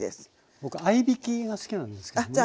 僕合いびきが好きなんですけどもね。